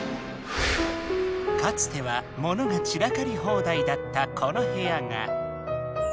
かつては物が散らかりほうだいだったこの部屋が。